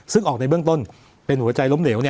ซึ่งออกในเบื้องต้นเป็นหัวใจล้มเหลว